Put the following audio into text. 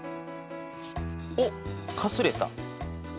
おっかすれた。